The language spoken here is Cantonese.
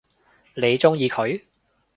你鍾意佢？